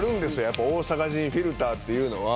やっぱ大阪人フィルターっていうのは。